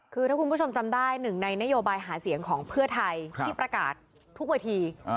คือถ้าคุณผู้ชมจำได้หนึ่งในนโยบายหาเสียงของเพื่อไทยที่ประกาศทุกเวที